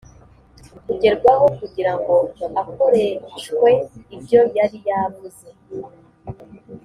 kugerwaho kugira ngo akoreshwe ibyo yari yavuze